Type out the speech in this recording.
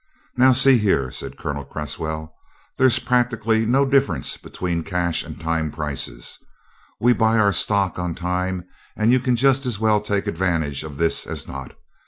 "Now, see here," said Colonel Cresswell, "there's practically no difference between cash and time prices. We buy our stock on time and you can just as well take advantage of this as not.